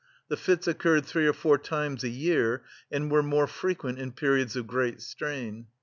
The fits occurred three or four times a year and were more frequent in periods of great strain.